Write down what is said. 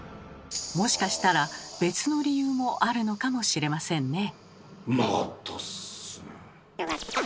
もしかしたら別の理由もあるのかもしれませんね。